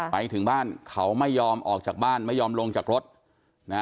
ไปถึงบ้านเขาไม่ยอมออกจากบ้านไม่ยอมลงจากรถนะ